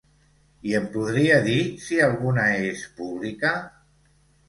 I em podria dir si alguna és pública?